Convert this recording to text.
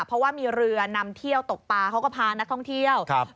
เพราะว่ามีเรือนำเที่ยวตกปลาเขาก็พานักท่องเที่ยวครับ